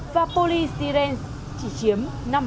và polystyrene chỉ chiếm năm